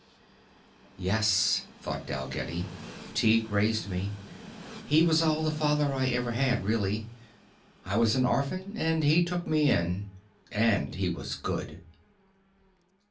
Yes, thought Dalgetty, _Tighe raised me. He was all the father I ever had, really. I was an orphan and he took me in and he was good.